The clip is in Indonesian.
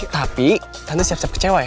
tapi anda siap siap kecewa ya